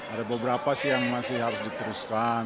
ada beberapa sih yang masih harus diteruskan